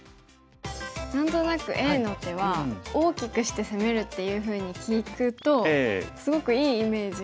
何となくＡの手は大きくして攻めるっていうふうに聞くとすごくいいイメージが。